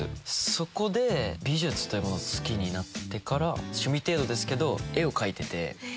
そこで美術というものを好きになってから趣味程度ですけど絵を描いてて。